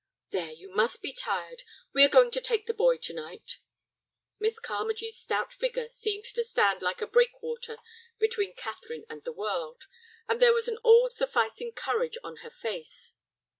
"There, you must be tired. We are going to take the boy to night." Miss Carmagee's stout figure seemed to stand like a breakwater between Catherine and the world, and there was an all sufficing courage on her face.